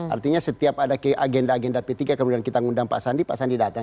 artinya setiap ada agenda agenda p tiga kemudian kita ngundang pak sandi pak sandi datang